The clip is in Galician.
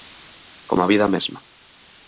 Como a vida mesma.